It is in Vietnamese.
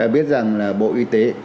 biết rằng là bộ y tế